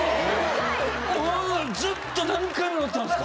ずっと何回も乗ったんですか？